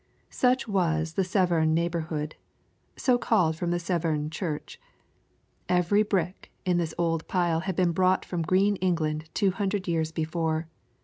Such was the Severn neighborhood called so from Severn church. Every brick in this old pile had been brought from green England two hundred years before.